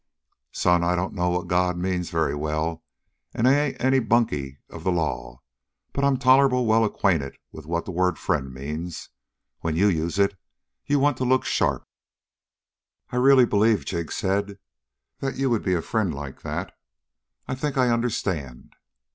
"Son, I don't know what God means very well, and I ain't any bunkie of the law, but I'm tolerable well acquainted with what the word 'friend' means. When you use it, you want to look sharp." "I really believe," Jig said, "that you would be a friend like that. I think I understand."